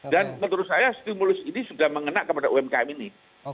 menurut saya stimulus ini sudah mengena kepada umkm ini